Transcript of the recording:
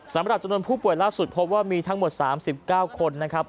สำหรับจำนวนผู้ป่วยล่าสุดพบว่ามีทั้งหมด๓๙คนนะครับ